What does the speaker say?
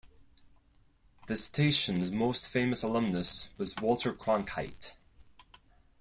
The station's most famous alumnus was Walter Cronkite.